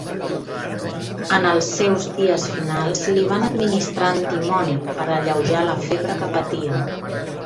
En els seus dies finals li van administrar antimoni per alleujar la febre que patia.